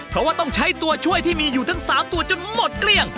เพราะว่าต้องใช้ตัวช่วยที่มีอยู่ทั้ง๓ตัวจนหมดเกลี้ยง